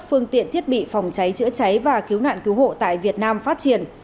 phương tiện thiết bị phòng cháy chữa cháy và cứu nạn cứu hộ tại việt nam phát triển